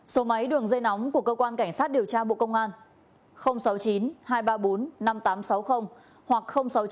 số máy đường dây nóng của cơ quan cảnh sát điều tra bộ công an sáu mươi chín hai trăm ba mươi bốn năm nghìn tám trăm sáu mươi hoặc sáu mươi chín hai trăm ba mươi hai một nghìn sáu trăm sáu mươi